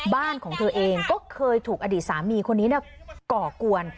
บ้านของเธอเองก็เคยถูกอดีตสามีคนนี้ก่อกวน